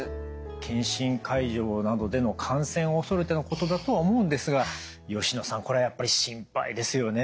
検診会場などでの感染を恐れてのことだとは思うんですが吉野さんこれはやっぱり心配ですよね。